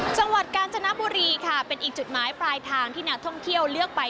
จังหวัดกาญจนบุรีค่ะเป็นอีกจุดหมายปลายทางที่นักท่องเที่ยวเลือกไป